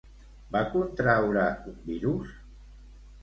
Va contraure un virus?